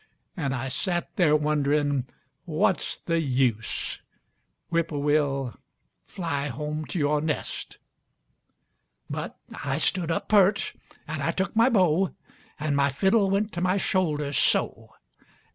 An' I sat there wonderin' 'What's the use?' (Whippoorwill, fly home to yore nest.) But I stood up pert an' I took my bow, An' my fiddle went to my shoulder, so.